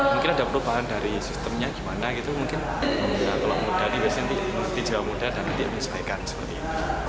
mungkin ada perubahan dari sistemnya gimana gitu mungkin kalau muda biasanya lebih jiwa muda dan nanti akan disediakan seperti ini